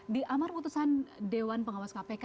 di amar putusan dewan pengawas kpk